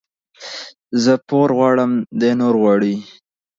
زه پور غواړم ، دى نور غواړي.